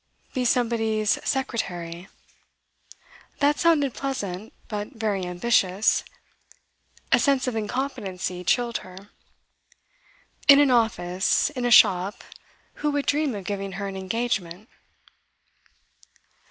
Be somebody's 'secretary'? That sounded pleasant, but very ambitious: a sense of incompetency chilled her. In an office, in a shop, who would dream of giving her an engagement?